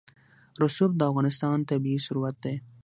رسوب د افغانستان طبعي ثروت دی.